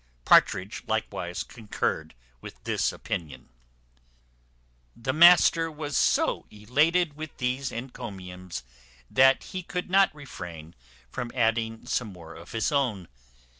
Partridge likewise concurred with this opinion. The master was so highly elated with these encomiums, that he could not refrain from adding some more of his own.